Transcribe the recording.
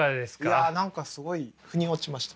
いや何かすごいふに落ちました。